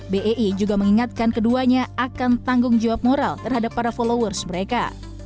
bei juga mengingatkan keduanya akan tanggung jawab moral terhadap para followers mereka